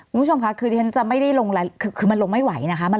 คุณผู้ชมคะคือมันลงไม่ไหวนะคะ